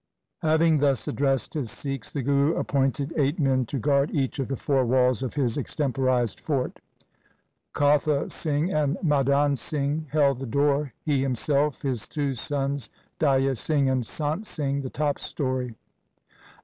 Having thus addressed his Sikhs, the Guru appointed eight men to guard each of the four walls* of his extemporized fort. Kotha Singh and Madan Singh held the door, he himself, his two sons, Daya Singh and Sant Singh the top story.